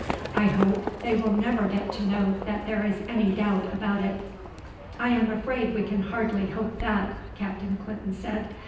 I hope they will never get to know that there is any doubt about it." "I am afraid we can hardly hope that," Captain Clinton said.